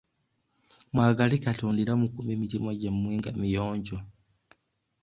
Mwagale katonda era mukuume emitima gyammwe nga miyonjo.